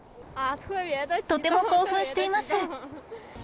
とても興奮しています。